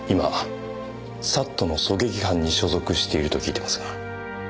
今ＳＡＴの狙撃班に所属していると聞いていますが。